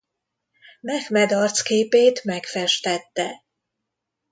Mehmed arcképét megfestette.